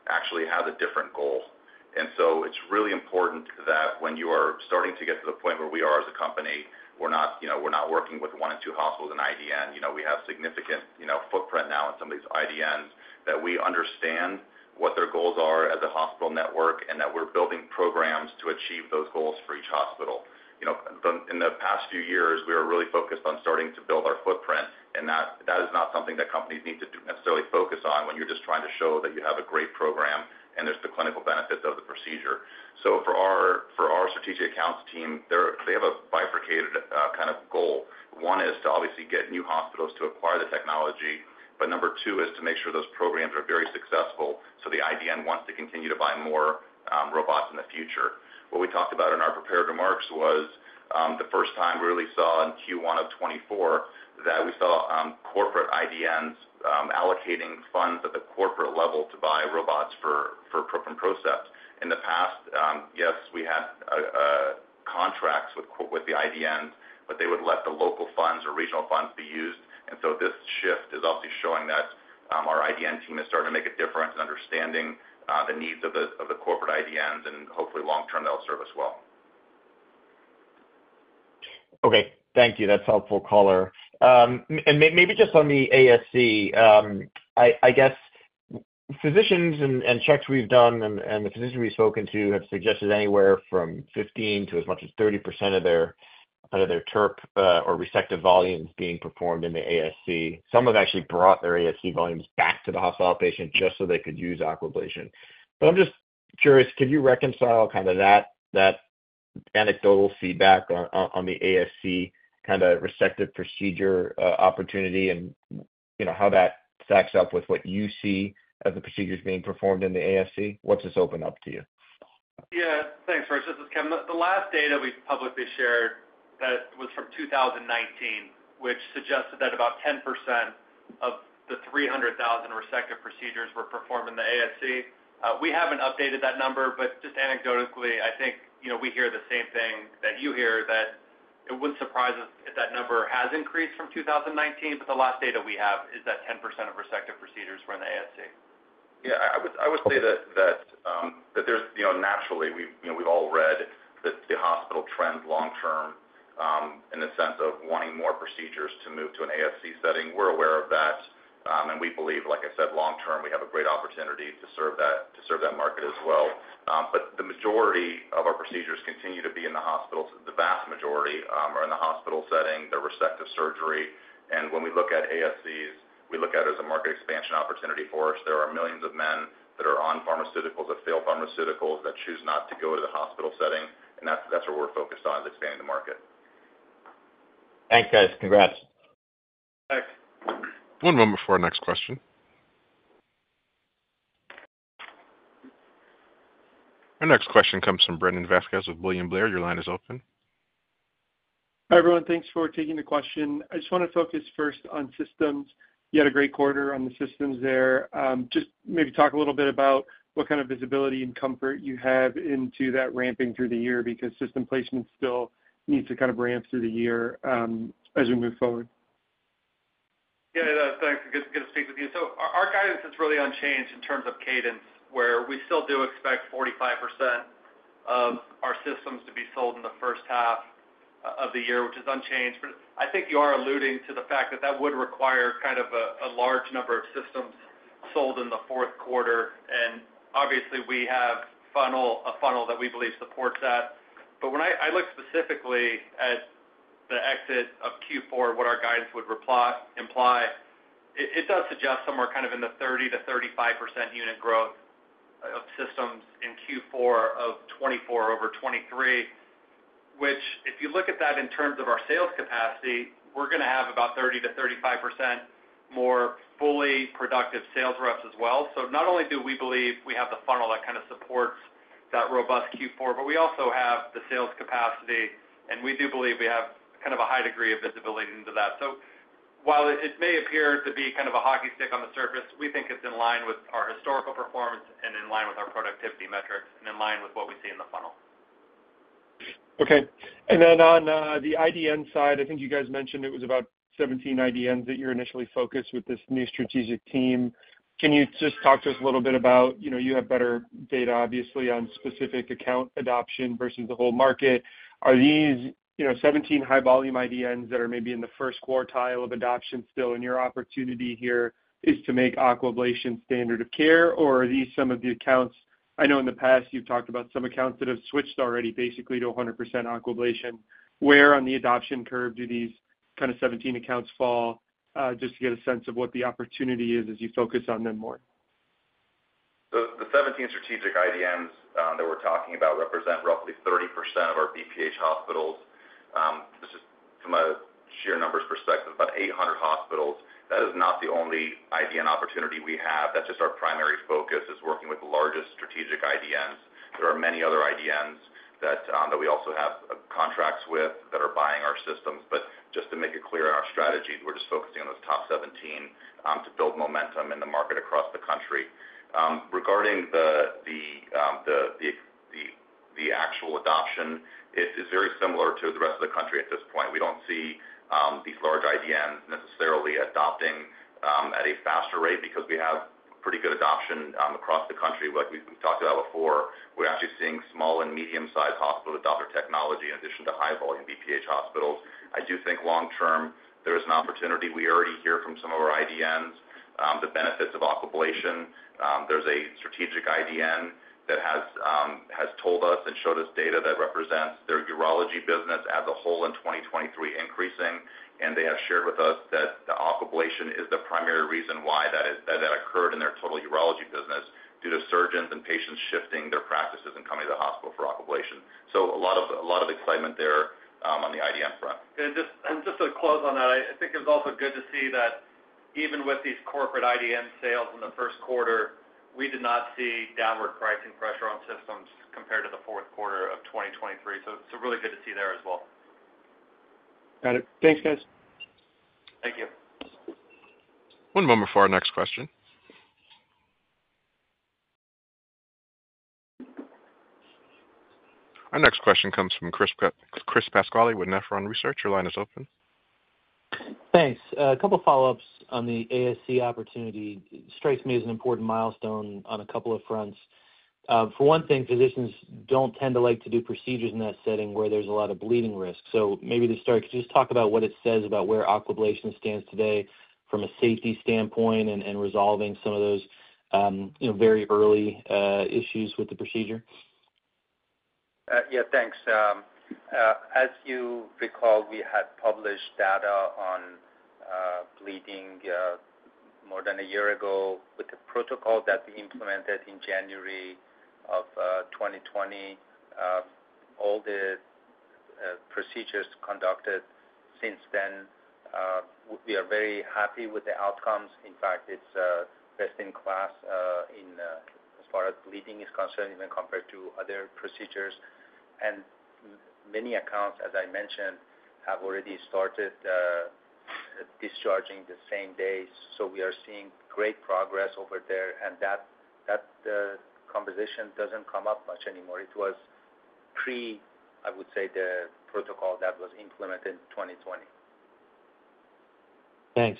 actually has a different goal. And so it's really important that when you are starting to get to the point where we are as a company, we're not working with one and two hospitals in IDN. We have significant footprint now in some of these IDNs that we understand what their goals are as a hospital network and that we're building programs to achieve those goals for each hospital. In the past few years, we were really focused on starting to build our footprint. And that is not something that companies need to necessarily focus on when you're just trying to show that you have a great program and there's the clinical benefits of the procedure. So for our strategic accounts team, they have a bifurcated kind of goal. One is to obviously get new hospitals to acquire the technology. But number two is to make sure those programs are very successful so the IDN wants to continue to buy more robots in the future. What we talked about in our prepared remarks was the first time we really saw in Q1 of 2024 that we saw corporate IDNs allocating funds at the corporate level to buy robots for PROCEPT. In the past, yes, we had contracts with the IDNs, but they would let the local funds or regional funds be used. And so this shift is obviously showing that our IDN team is starting to make a difference in understanding the needs of the corporate IDNs. And hopefully, long term, they'll serve us well. Okay. Thank you. That's helpful, Caller. Maybe just on the ASC, I guess physicians and checks we've done and the physicians we've spoken to have suggested anywhere from 15%-30% of their TURP or resective volumes being performed in the ASC. Some have actually brought their ASC volumes back to the hospital outpatient just so they could use Aquablation. But I'm just curious, could you reconcile kind of that anecdotal feedback on the ASC kind of resective procedure opportunity and how that stacks up with what you see as the procedures being performed in the ASC? What's this open up to you? Yeah. Thanks, Rich. This is Kevin. The last data we publicly shared, that was from 2019, which suggested that about 10% of the 300,000 resective procedures were performed in the ASC. We haven't updated that number. But just anecdotally, I think we hear the same thing that you hear, that it wouldn't surprise us if that number has increased from 2019. But the last data we have is that 10% of resective procedures were in the ASC. Yeah. I would say that there's naturally, we've all read that the hospital trends long term in the sense of wanting more procedures to move to an ASC setting. We're aware of that. And we believe, like I said, long term, we have a great opportunity to serve that market as well. But the majority of our procedures continue to be in the hospitals. The vast majority are in the hospital setting. They're resective surgery. When we look at ASCs, we look at it as a market expansion opportunity for us. There are millions of men that are on pharmaceuticals that fail pharmaceuticals that choose not to go to the hospital setting. That's where we're focused on is expanding the market. Thanks, guys. Congrats. Thanks. One moment for our next question. Our next question comes from Brandon Vazquez with William Blair. Your line is open. Hi, everyone. Thanks for taking the question. I just want to focus first on systems. You had a great quarter on the systems there. Just maybe talk a little bit about what kind of visibility and comfort you have into that ramping through the year because system placement still needs to kind of ramp through the year as we move forward. Yeah. Thanks. Good to speak with you. So our guidance is really unchanged in terms of cadence where we still do expect 45% of our systems to be sold in the first half of the year, which is unchanged. But I think you are alluding to the fact that that would require kind of a large number of systems sold in the fourth quarter. And obviously, we have a funnel that we believe supports that. But when I look specifically at the exit of Q4, what our guidance would imply, it does suggest somewhere kind of in the 30%-35% unit growth of systems in Q4 of 2024 over 2023, which if you look at that in terms of our sales capacity, we're going to have about 30%-35% more fully productive sales reps as well. So not only do we believe we have the funnel that kind of supports that robust Q4, but we also have the sales capacity. And we do believe we have kind of a high degree of visibility into that. So while it may appear to be kind of a hockey stick on the surface, we think it's in line with our historical performance and in line with our productivity metrics and in line with what we see in the funnel. Okay. And then on the IDN side, I think you guys mentioned it was about 17 IDNs that you're initially focused with this new strategic team. Can you just talk to us a little bit about you have better data, obviously, on specific account adoption versus the whole market. Are these 17 high-volume IDNs that are maybe in the first quartile of adoption still in your opportunity here is to make Aquablation standard of care? Or are these some of the accounts I know in the past, you've talked about some accounts that have switched already basically to 100% Aquablation. Where on the adoption curve do these kind of 17 accounts fall just to get a sense of what the opportunity is as you focus on them more? The 17 strategic IDNs that we're talking about represent roughly 30% of our BPH hospitals. This is from a sheer numbers perspective, about 800 hospitals. That is not the only IDN opportunity we have. That's just our primary focus is working with the largest strategic IDNs. There are many other IDNs that we also have contracts with that are buying our systems. But just to make it clear in our strategy, we're just focusing on those top 17 to build momentum in the market across the country. Regarding the actual adoption, it is very similar to the rest of the country at this point. We don't see these large IDNs necessarily adopting at a faster rate because we have pretty good adoption across the country. Like we've talked about before, we're actually seeing small and medium-sized hospitals adopt our technology in addition to high-volume BPH hospitals. I do think long term, there is an opportunity. We already hear from some of our IDNs the benefits of Aquablation. There's a strategic IDN that has told us and showed us data that represents their urology business as a whole in 2023 increasing. And they have shared with us that the Aquablation is the primary reason why that occurred in their total urology business due to surgeons and patients shifting their practices and coming to the hospital for Aquablation. So a lot of excitement there on the IDN front. And just to close on that, I think it was also good to see that even with these corporate IDN sales in the first quarter, we did not see downward pricing pressure on systems compared to the fourth quarter of 2023. So it's really good to see there as well. Got it. Thanks, guys. Thank you. One moment for our next question. Our next question comes from Chris Pasquale with Nephron Research. Your line is open. Thanks. A couple of follow-ups on the ASC opportunity. It strikes me as an important milestone on a couple of fronts. For one thing, physicians don't tend to like to do procedures in that setting where there's a lot of bleeding risk. So maybe to start, could you just talk about what it says about where Aquablation stands today from a safety standpoint and resolving some of those very early issues with the procedure? Yeah. Thanks. As you recall, we had published data on bleeding more than a year ago. With the protocol that we implemented in January of 2020, all the procedures conducted since then, we are very happy with the outcomes. In fact, it's best in class as far as bleeding is concerned even compared to other procedures. Many accounts, as I mentioned, have already started discharging the same day. We are seeing great progress over there. That conversation doesn't come up much anymore. It was pre, I would say, the protocol that was implemented in 2020. Thanks.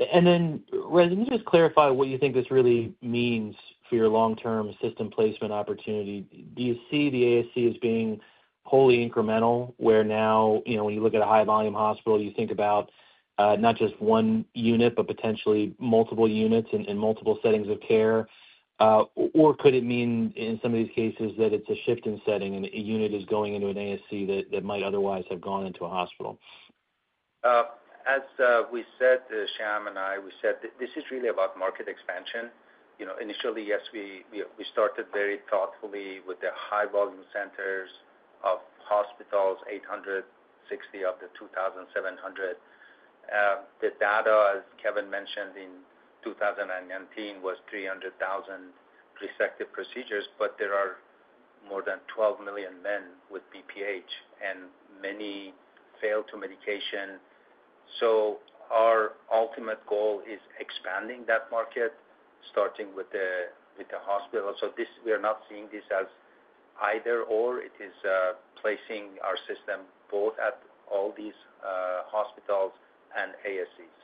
Reza, can you just clarify what you think this really means for your long-term system placement opportunity? Do you see the ASC as being wholly incremental where now when you look at a high-volume hospital, you think about not just one unit, but potentially multiple units in multiple settings of care? Or could it mean in some of these cases that it's a shift in setting and a unit is going into an ASC that might otherwise have gone into a hospital? As we said, Sham and I, we said this is really about market expansion. Initially, yes, we started very thoughtfully with the high-volume centers of hospitals, 860 of the 2,700. The data, as Kevin mentioned, in 2019 was 300,000 resective procedures. But there are more than 12 million men with BPH, and many fail to medication. So our ultimate goal is expanding that market starting with the hospital. So we are not seeing this as either/or. It is placing our system both at all these hospitals and ASCs.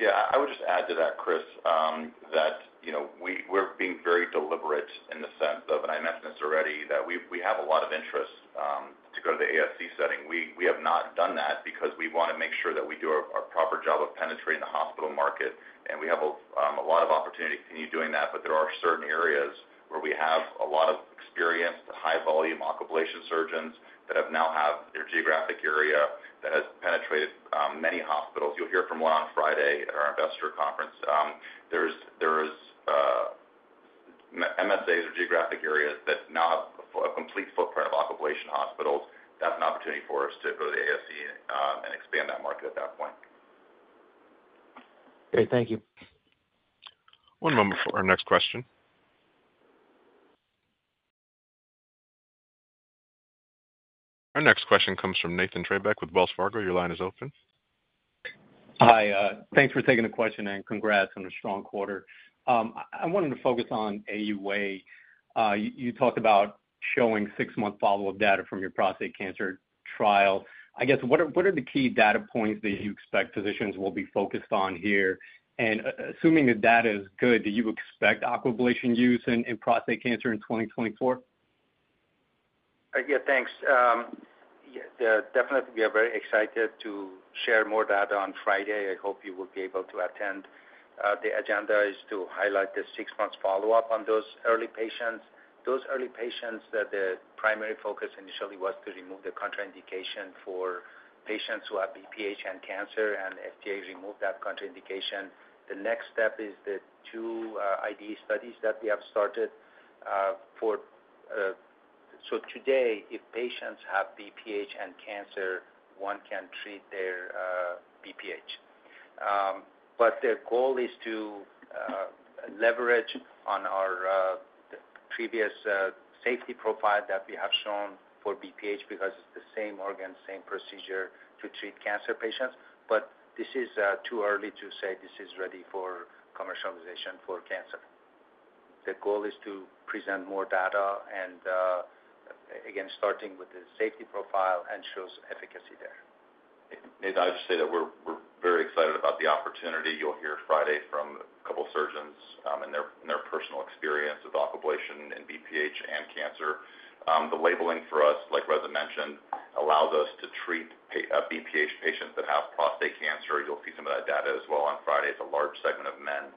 Yeah. I would just add to that, Chris, that we're being very deliberate in the sense of, and I mentioned this already, that we have a lot of interest to go to the ASC setting. We have not done that because we want to make sure that we do our proper job of penetrating the hospital market. We have a lot of opportunity to continue doing that. There are certain areas where we have a lot of experienced high-volume Aquablation surgeons that now have their geographic area that has penetrated many hospitals. You'll hear from one on Friday at our investor conference. There are MSAs or geographic areas that now have a complete footprint of Aquablation hospitals. That's an opportunity for us to go to the ASC and expand that market at that point. Great. Thank you. One moment for our next question. Our next question comes from Nathan Treybeck with Wells Fargo. Your line is open. Hi. Thanks for taking the question, and congrats on a strong quarter. I wanted to focus on AUA. You talked about showing six-month follow-up data from your prostate cancer trial. I guess, what are the key data points that you expect physicians will be focused on here? And assuming the data is good, do you expect Aquablation use in prostate cancer in 2024? Yeah. Thanks. Definitely, we are very excited to share more data on Friday. I hope you will be able to attend. The agenda is to highlight the six-month follow-up on those early patients. Those early patients, the primary focus initially was to remove the contraindication for patients who have BPH and cancer. FDA removed that contraindication. The next step is the two IDE studies that we have started, so today, if patients have BPH and cancer, one can treat their BPH. But the goal is to leverage on our previous safety profile that we have shown for BPH because it's the same organ, same procedure to treat cancer patients. But this is too early to say this is ready for commercialization for cancer. The goal is to present more data and, again, starting with the safety profile and shows efficacy there. Nathan, I have to say that we're very excited about the opportunity you'll hear Friday from a couple of surgeons and their personal experience with Aquablation in BPH and cancer. The labeling for us, like Reza mentioned, allows us to treat BPH patients that have prostate cancer. You'll see some of that data as well on Friday. It's a large segment of men.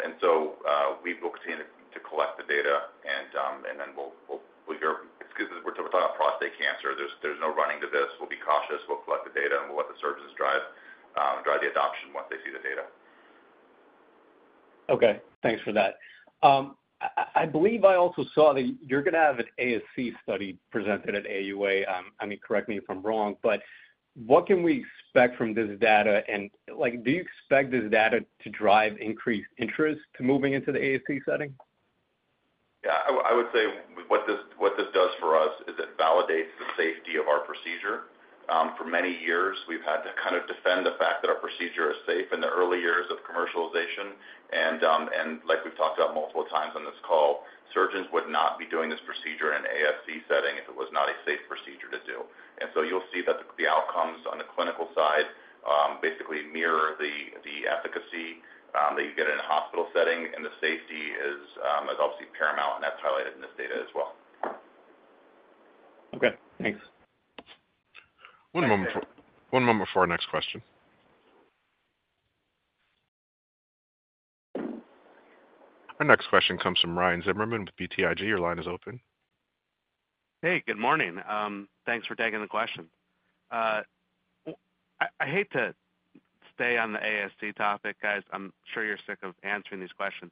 And so we will continue to collect the data. And then we'll be very excuse me. We're talking about prostate cancer. There's no running to this. We'll be cautious. We'll collect the data, and we'll let the surgeons drive the adoption once they see the data. Okay. Thanks for that. I believe I also saw that you're going to have an ASC study presented at AUA. I mean, correct me if I'm wrong. But what can we expect from this data? And do you expect this data to drive increased interest to moving into the ASC setting? Yeah. I would say what this does for us is it validates the safety of our procedure. For many years, we've had to kind of defend the fact that our procedure is safe in the early years of commercialization. And like we've talked about multiple times on this call, surgeons would not be doing this procedure in an ASC setting if it was not a safe procedure to do. And so you'll see that the outcomes on the clinical side basically mirror the efficacy that you get in a hospital setting. And the safety is obviously paramount. And that's highlighted in this data as well. Okay. Thanks. One moment for our next question. Our next question comes from Ryan Zimmerman with BTIG. Your line is open. Hey. Good morning. Thanks for taking the question. I hate to stay on the ASC topic, guys. I'm sure you're sick of answering these questions.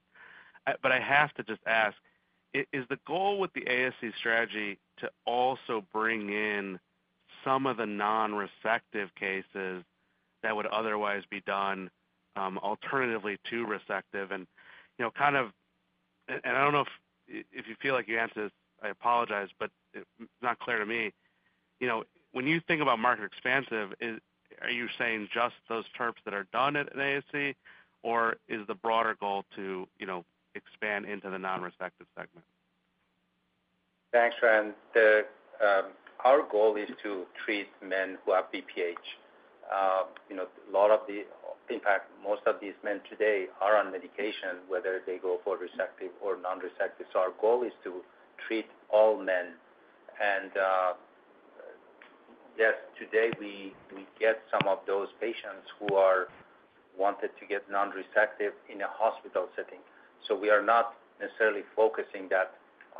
But I have to just ask, is the goal with the ASC strategy to also bring in some of the non-resective cases that would otherwise be done alternatively to resective? And kind of and I don't know if you feel like you answered this. I apologize. But it's not clear to me. When you think about market expansion, are you saying just those TURPs that are done at an ASC? Or is the broader goal to expand into the non-resective segment? Thanks, Ryan. Our goal is to treat men who have BPH. A lot of them, in fact, most of these men today are on medication, whether they go for resective or non-resective. So our goal is to treat all men. And yes, today, we get some of those patients who want to get non-resective in a hospital setting. So we are not necessarily focusing on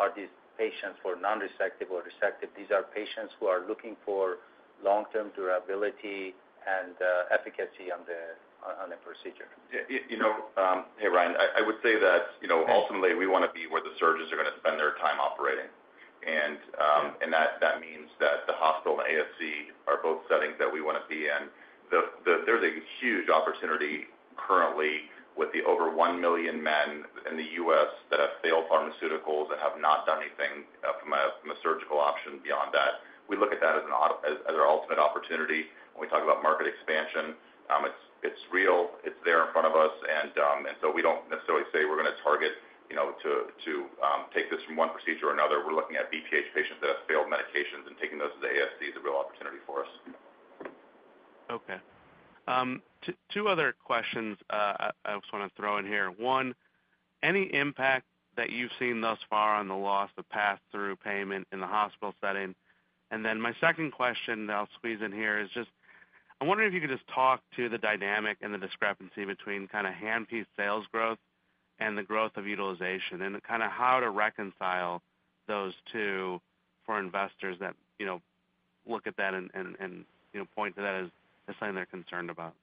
whether these patients are for non-resective or resective. These are patients who are looking for long-term durability and efficacy on a procedure. Yeah. Hey, Ryan. I would say that ultimately, we want to be where the surgeons are going to spend their time operating. And that means that the hospital and ASC are both settings that we want to be in. There's a huge opportunity currently with the over one million men in the U.S. that have failed pharmaceuticals and have not done anything from a surgical option beyond that. We look at that as our ultimate opportunity when we talk about market expansion. It's real. It's there in front of us. And so we don't necessarily say we're going to target to take this from one procedure or another. We're looking at BPH patients that have failed medications and taking those as ASC is a real opportunity for us. Okay. Two other questions I just want to throw in here. One, any impact that you've seen thus far on the loss of pass-through payment in the hospital setting? And then my second question that I'll squeeze in here is just I'm wondering if you could just talk to the dynamic and the discrepancy between kind of handpiece sales growth and the growth of utilization and kind of how to reconcile those two for investors that look at that and point to that as something they're concerned about.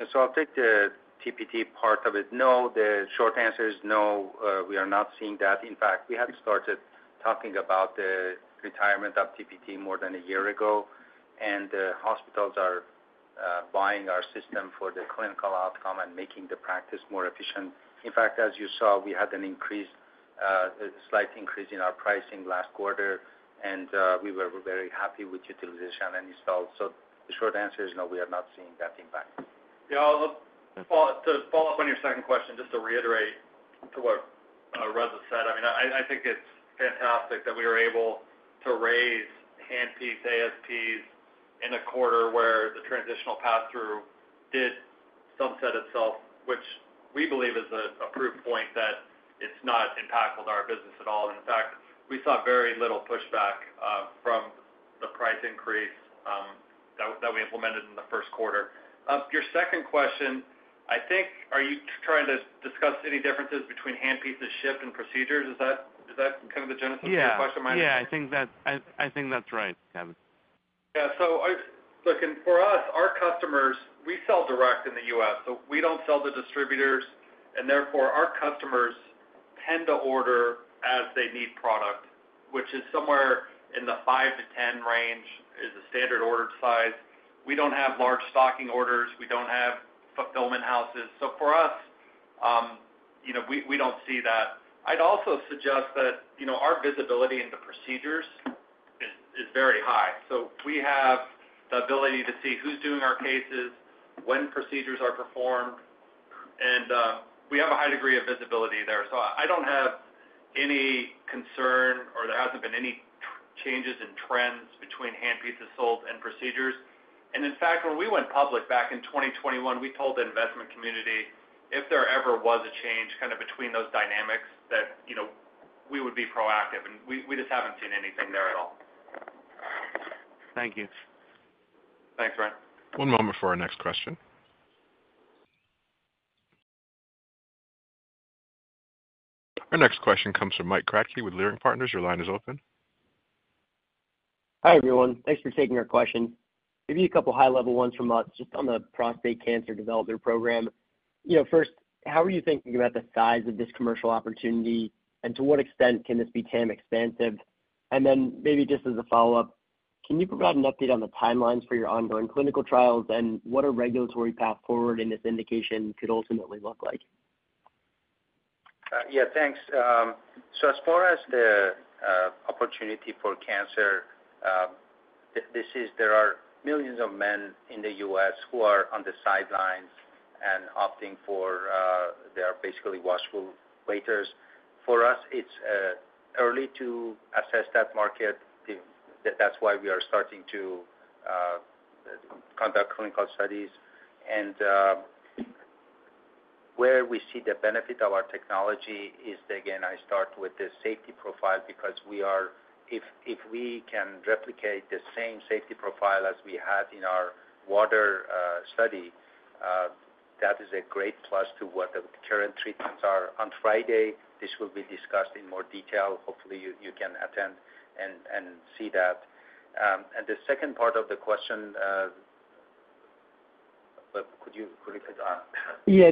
Yeah. So I'll take the TPT part of it. No, the short answer is no. We are not seeing that. In fact, we had started talking about the retirement of TPT more than a year ago. And the hospitals are buying our system for the clinical outcome and making the practice more efficient. In fact, as you saw, we had a slight increase in our pricing last quarter. And we were very happy with utilization. And so the short answer is no. We are not seeing that impact. Yeah. To follow up on your second question, just to reiterate to what Reza said, I mean, I think it's fantastic that we were able to raise handpiece ASPs in a quarter where the Transitional Pass-Through did sunset itself, which we believe is a proof point that it's not impactful to our business at all. And in fact, we saw very little pushback from the price increase that we implemented in the first quarter. Your second question, I think, are you trying to discuss any differences between handpieces shipped and procedures? Is that kind of the genesis of the question? Yeah. Yeah. I think that's right, Kevin. Yeah. So look, for us, our customers, we sell direct in the U.S. So we don't sell to distributors. And therefore, our customers tend to order as they need product, which is somewhere in the 5-10 range is the standard ordered size. We don't have large stocking orders. We don't have fulfillment houses. So for us, we don't see that. I'd also suggest that our visibility into procedures is very high. So we have the ability to see who's doing our cases, when procedures are performed. And we have a high degree of visibility there. So I don't have any concern or there hasn't been any changes in trends between handpieces sold and procedures. And in fact, when we went public back in 2021, we told the investment community, if there ever was a change kind of between those dynamics, that we would be proactive. We just haven't seen anything there at all. Thank you. Thanks, Ryan. One moment for our next question. Our next question comes from Mike Kratky with Leerink Partners. Your line is open. Hi, everyone. Thanks for taking our questions. Give you a couple of high-level ones from us just on the prostate cancer developer program. First, how are you thinking about the size of this commercial opportunity? And to what extent can this be TAM expansive? And then maybe just as a follow-up, can you provide an update on the timelines for your ongoing clinical trials? And what a regulatory path forward in this indication could ultimately look like? Yeah. Thanks. So as far as the opportunity for cancer, there are millions of men in the U.S. who are on the sidelines and opting for watchful waiting. For us, it's early to assess that market. That's why we are starting to conduct clinical studies. And where we see the benefit of our technology is, again, I start with the safety profile because if we can replicate the same safety profile as we had in our WATER Study, that is a great plus to what the current treatments are. On Friday, this will be discussed in more detail. Hopefully, you can attend and see that. And the second part of the question could you repeat that? Yeah.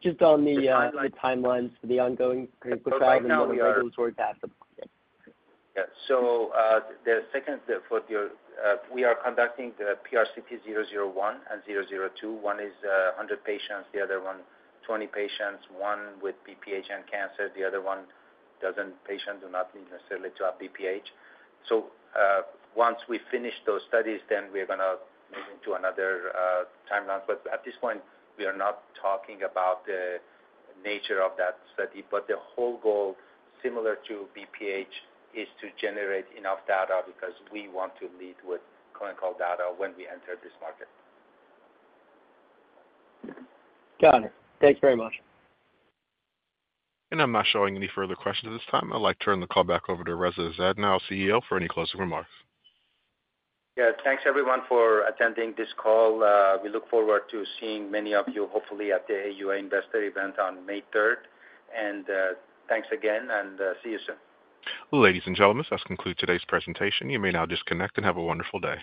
Just on the timelines for the ongoing clinical trial and then the regulatory path for the market. Yeah. So the second we're conducting the PRCT001 and 002. One is 100 patients. The other one, 20 patients. One with BPH and cancer. The other one, 12 patients who do not necessarily have BPH. So once we finish those studies, then we are going to move into another timeline. But at this point, we are not talking about the nature of that study. But the whole goal, similar to BPH, is to generate enough data because we want to lead with clinical data when we enter this market. Got it. Thanks very much. I'm not showing any further questions at this time. I'd like to turn the call back over to Reza Zadno, CEO, for any closing remarks. Yeah. Thanks, everyone, for attending this call. We look forward to seeing many of you, hopefully, at the AUA investor event on May 3rd. Thanks again. See you soon. Ladies and gentlemen, that concludes today's presentation. You may now disconnect and have a wonderful day.